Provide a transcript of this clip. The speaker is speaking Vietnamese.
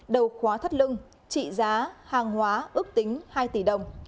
đầu khóa thắt lưng trị giá hàng hóa ước tính hai tỷ đồng